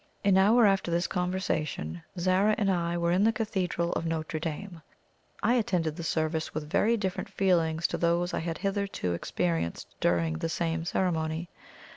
An hour after this conversation Zara and I were in the cathedral of Notre Dame. I attended the service with very different feelings to those I had hitherto experienced during the same ceremony.